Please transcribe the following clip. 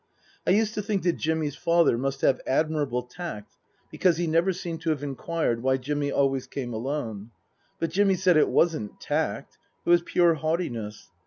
I used to think that Jimmy's father must have admirable tact, because he never seemed to have inquired why Jimmy always came alone. But Jimmy said it wasn't tact. It was pure haughtiness.